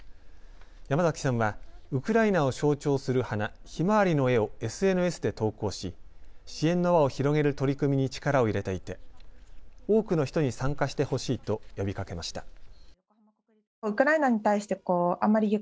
山崎さんはウクライナを象徴する花、ひまわりの絵をＳＮＳで投稿し支援の輪を広げる取り組みに力を入れていて多くの人に参加してほしいと呼びかけました。